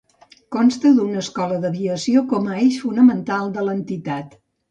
Consta d'una escola d'aviació com a eix fonamental de l'entitat.